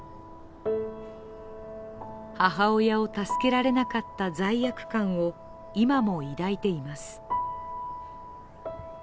母親を助けられなかった罪悪感を今も抱いています。